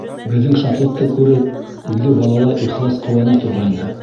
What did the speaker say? Беҙҙең шатлыҡты күреп, үҙе балалай ихлас ҡыуана торғайны.